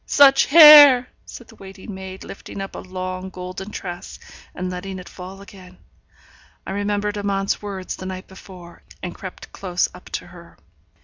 Such hair!' said the waiting maid, lifting up a long golden tress, and letting it fall again. I remembered Amante's words the night before, and crept close up to her.